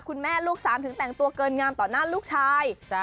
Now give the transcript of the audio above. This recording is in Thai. คุณแม่ลูกสามถึงแต่งตัวเกินงามต่อหน้าลูกชาย